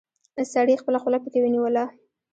سړي خپله خوله پکې ونيوله.